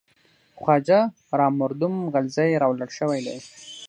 خواجه را مردم غلزی راوړل شوی دی.